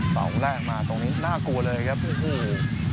เสาแรกมาตรงนี้น่ากลัวเลยครับโอ้โห